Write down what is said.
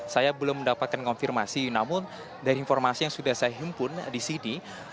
saya belum mendapatkan konfirmasi namun dari informasi yang sudah saya himpun di sini